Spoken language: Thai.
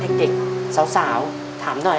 เด็กสาวถามหน่อย